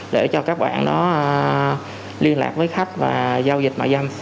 để cho các bạn đó liên lạc với khách và giao dịch ban dâm